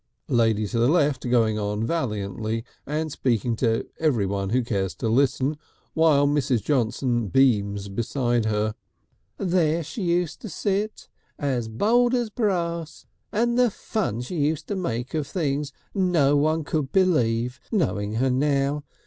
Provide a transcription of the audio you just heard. Lady to the left going on valiantly and speaking to everyone who cares to listen, while Mrs. Johnson beams beside her: "There she used to sit as bold as brass, and the fun she used to make of things no one could believe knowing her now.